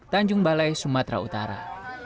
tanjung balai sumatera utara